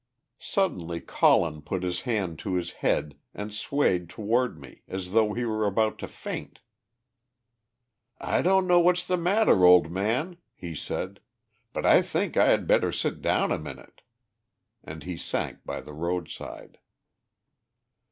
Suddenly Colin put his hand to his head, and swayed toward me, as though he were about to faint. "I don't know what's the matter, old man," he said, "but I think I had better sit down a minute." And he sank by the roadside.